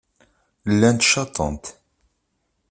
Llant caṭent.